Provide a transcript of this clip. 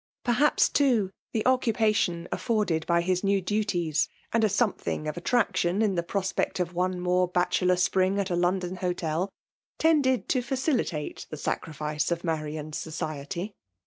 Perbaps, too, the occupation afforded by his new du|ies and a something of attraction in th^ piospeci of one more bachelor spring at a London hotM tended to facilitate the sacrifice of Maiitm^il society.